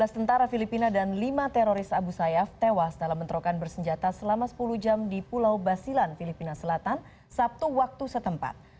tiga belas tentara filipina dan lima teroris abu sayyaf tewas dalam mentrokan bersenjata selama sepuluh jam di pulau basilan filipina selatan sabtu waktu setempat